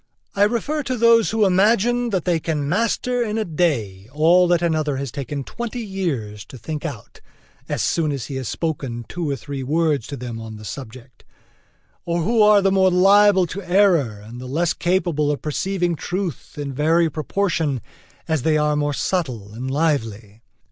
I refer to those who imagine that they can master in a day all that another has taken twenty years to think out, as soon as he has spoken two or three words to them on the subject; or who are the more liable to error and the less capable of perceiving truth in very proportion as they are more subtle and lively.